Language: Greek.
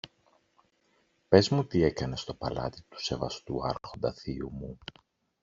Πες μου τι έκανες στο παλάτι του σεβαστού Άρχοντα θείου μου.